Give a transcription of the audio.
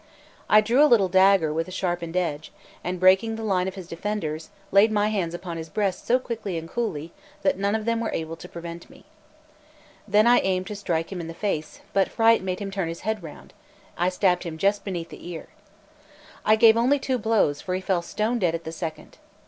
I drew a little dagger with a sharpened edge, and breaking the line of his defenders, laid my hands upon his breast so quickly and coolly, that none of them were able to prevent me. Then I aimed to strike him in the face; but fright made him turn his head round; and I stabbed him just beneath the ear. I only gave two blows, for he fell stone dead at the second.